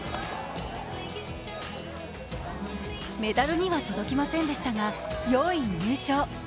メダルには届きませんでしたが４位入賞。